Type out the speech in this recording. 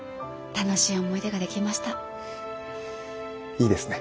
いいですね